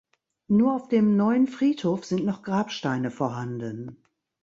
Nur auf dem neuen Friedhof sind noch Grabsteine vorhanden.